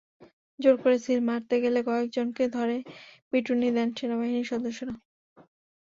জোর করে সিল মারতে গেলে কয়েক জনকে ধরে পিটুনি দেন সেনাবাহিনীর সদস্যরা।